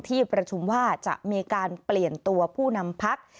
ที่ประชุมว่าจะมีการเปลี่ยนตัวผู้นำพัก